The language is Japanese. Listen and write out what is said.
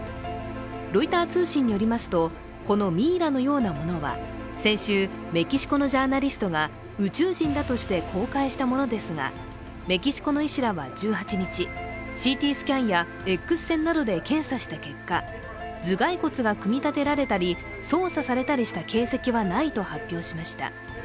ロイター通信によりますとこのミイラのようなものは先週、メキシコのジャーナリストが宇宙人だとして公開したものですがメキシコの医師らは１８日、ＣＴスキャンやＸ線などで検査した結果頭蓋骨が組み立てられたり、操作されたりした形跡はないと発表しました。